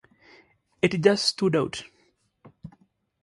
It just stood out.